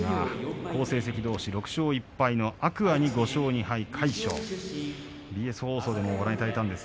好成績どうし６勝１敗の天空海と５勝２敗の魁勝です。